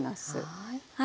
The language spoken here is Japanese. はい。